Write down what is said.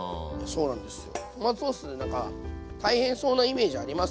そうなんですよ。